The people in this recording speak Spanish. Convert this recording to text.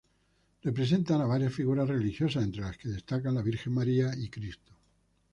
Representan a varias figuras religiosas entre las que destacan la Virgen María y Cristo.